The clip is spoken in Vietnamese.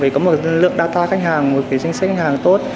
có một lượng data khách hàng một danh sách khách hàng tốt